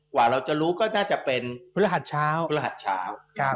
กว่าเราจะรู้ก็น่าจะเป็นพฤหัสเช้า